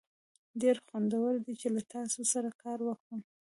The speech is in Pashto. ډیر خوندور دی چې له تاسو سره کار وکړم.